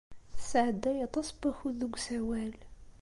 Tesɛedday aṭas n wakud deg usawal.